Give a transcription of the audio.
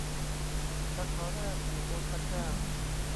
สาขาแรกอยู่โอซาก้า